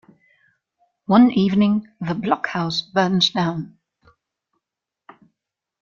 One evening, the blockhouse burns down.